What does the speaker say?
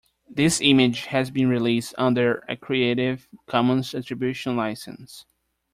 This image has been released under a creative commons attribution license.